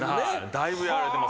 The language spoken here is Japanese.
だいぶやられてますね。